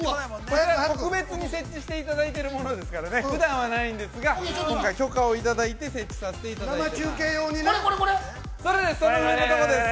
◆特別に設置していただいているものですからね、ふだんはないんですが、今回許可をいただいて設置させていただいています。